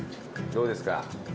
どうですか？